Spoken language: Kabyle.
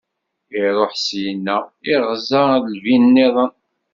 Iṛuḥ syenna, iɣza lbi- nniḍen.